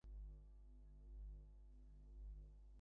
তোমরা নিজেদের মুক্তির জন্য অধ্যবসায়ের সঙ্গে চেষ্টা কর।